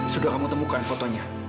sudah kamu temukan fotonya